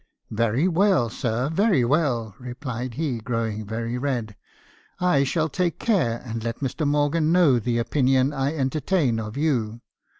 "'Very well, sir, very well,' replied he, growing very red. 'I shall take care, and let Mr. Morgan know the opinion I enter tain of you.